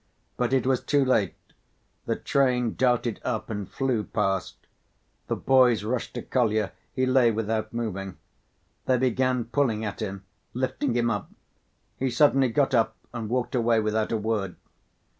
But it was too late: the train darted up and flew past. The boys rushed to Kolya. He lay without moving. They began pulling at him, lifting him up. He suddenly got up and walked away without a word.